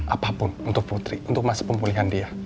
apapun untuk putri untuk masa pemulihan dia